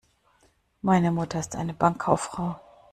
Meine Mutter ist eine Bankkauffrau.